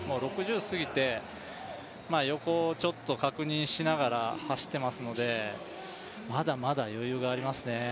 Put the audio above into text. ６０過ぎて横をちょっと確認しながら走ってますのでまだまだ余裕がありますね。